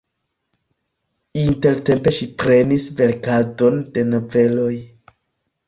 Intertempe ŝi prenis verkadon de noveloj.